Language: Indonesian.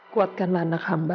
kuatkanlah anak hamba